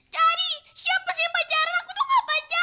jadi siapa sih yang pacaran aku tuh gak pacaran